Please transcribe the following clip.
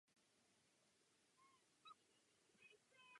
Dále se věnoval astrologii.